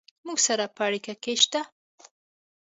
مونږ سره په اړیکه کې شئ